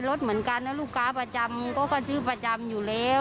รถเหมือนกันนะลูกค้าประจำเขาก็ซื้อประจำอยู่แล้ว